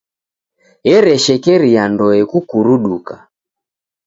Ereshekeria ndoe kukuruduka.